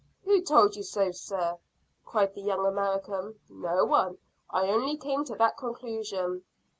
"Who told you so, sir?" cried the young American. "No one. I only came to that conclusion."